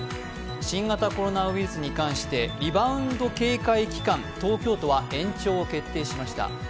新型コロナウイルスに関してリバウンド警戒期間、東京都は延長を決定しました。